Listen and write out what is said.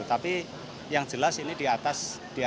tapi yang jelas ini di atas empat puluh